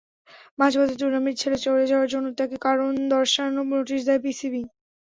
মাঝপথে টুর্নামেন্ট ছেড়ে চলে যাওয়ার জন্য তাঁকে কারণ দর্শানো নোটিশ দেয় পিসিবি।